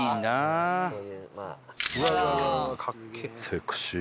セクシー。